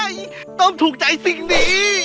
อ๊ยต้มถูกใจสิติ